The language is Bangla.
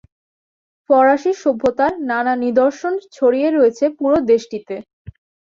ফরাসি সভ্যতার নানা নিদর্শন ছড়িয়ে রয়েছে পুরো দেশটিতে।